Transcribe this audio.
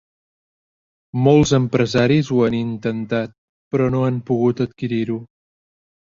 Molts empresaris ho han intentat, però no han pogut adquirir-ho.